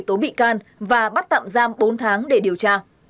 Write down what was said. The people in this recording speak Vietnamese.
tố bị can và bắt tạm giam bốn tháng để điều tra